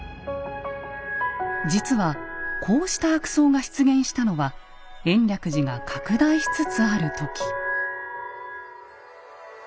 実はこうした悪僧が出現したのは延暦寺が拡大しつつある時。